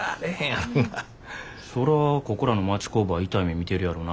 そらここらの町工場は痛い目見てるやろな。